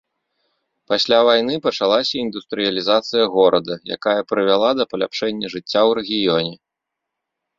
Пасля вайны пачалася індустрыялізацыя горада, якая прывяла да паляпшэння жыцця ў рэгіёне.